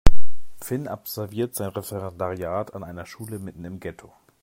Finn absolviert sein Referendariat an einer Schule mitten im Ghetto.